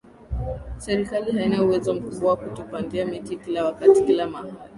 serikali haina uwezo mkubwa wa kutupandia miti kila waka kila mahali